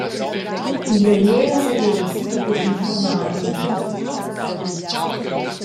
Igl ei neras uras dad informar ella.